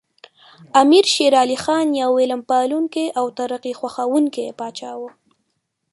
امیر شیر علی خان یو علم پالونکی او ترقي خوښوونکی پاچا و.